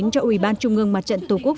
cho ủy ban trung ương mặt trận tổ quốc